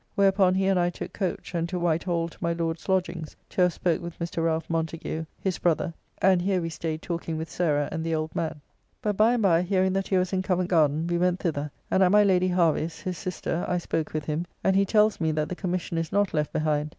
Whereupon he and I took coach, and to White Hall to my Lord's lodgings, to have spoke with Mr. Ralph Montagu, his brother (and here we staid talking with Sarah and the old man); but by and by hearing that he was in Covent Garden, we went thither: and at my Lady Harvy's, his sister, I spoke with him, and he tells me that the commission is not left behind.